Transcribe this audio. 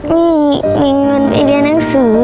ไม่มีเงินไปเรียนหนังสือ